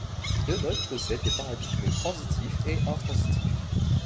Ces deux modes possèdent des paradigmes transitifs et intransitifs.